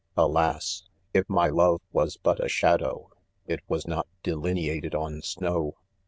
Alas I if my loye was but a shadow, it was not delineated on snow